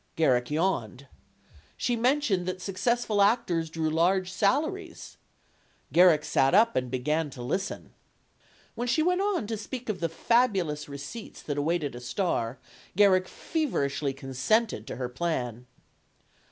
Garrick yawned. She mentioned that successful actors drew large sal aries. Garrick sat up and began to listen. When she went on to speak of the fabulous receipts that awaited a star, Garrick feverishly consented to her plan.